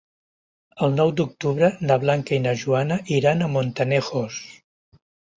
El nou d'octubre na Blanca i na Joana iran a Montanejos.